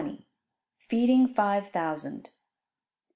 ] FEEDING FIVE THOUSAND.